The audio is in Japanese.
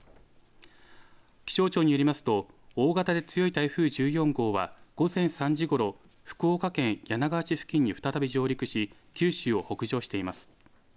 気象庁によりますと大型で強い台風１４号は午前３時ごろ、福岡県柳川市付近に再び上陸し九州を北上しています。